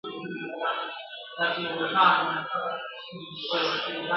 نن خمار یمه راغلی پیمانې چي هېر مي نه کي !.